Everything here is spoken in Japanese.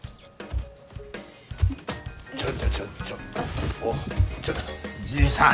ちょっとちょっとちょっとちょっとじいさん。